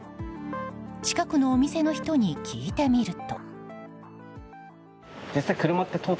近くのお店の人に聞いてみると。